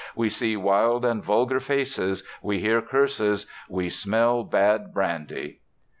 We see wild and vulgar faces, we hear curses, we smell bad brandy.